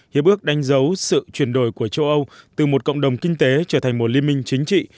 hiệp ước đánh dấu sự chuyển đổi của châu âu từ một cộng đồng kinh tế trở thành một liên minh chính trị